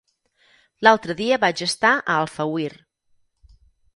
L'altre dia vaig estar a Alfauir.